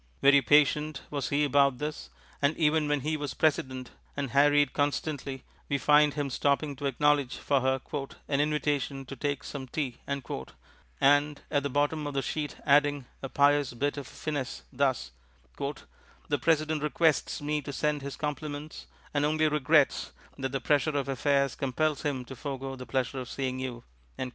Very patient was he about this, and even when he was President and harried constantly we find him stopping to acknowledge for her "an invitation to take some Tea," and at the bottom of the sheet adding a pious bit of finesse, thus: "The President requests me to send his compliments and only regrets that the pressure of affairs compels him to forego the Pleasure of seeing you."